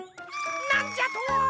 なんじゃと！？